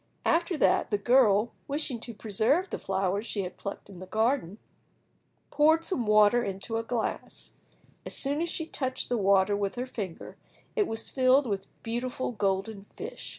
After that the girl, wishing to preserve the flowers she had plucked in the garden, poured some water into a glass: as soon as she touched the water with her finger, it was filled with beautiful golden fish.